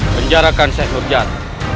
penjarakan seng hurjar